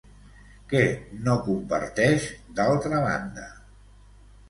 Què no comparteix, d'altra banda?